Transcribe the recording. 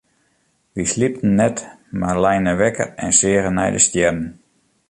Wy sliepten net mar leine wekker en seagen nei de stjerren.